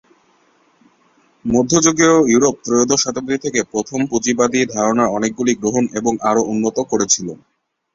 মধ্যযুগীয় ইউরোপ ত্রয়োদশ শতাব্দী থেকে প্রথম পুঁজিবাদী ধারণার অনেকগুলি গ্রহণ এবং আরও উন্নত করেছিল।